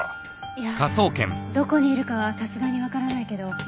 いやどこにいるかはさすがにわからないけど。